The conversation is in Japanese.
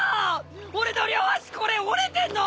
俺の両足これ折れてんの！？